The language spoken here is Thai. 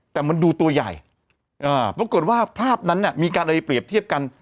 แต่มันดูตัวใหญ่ปรากฏว่าภาพนั้นเนี่ยมีการเอาไปเปรียบเทียบกัน